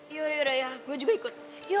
yaudah raya gue juga ikut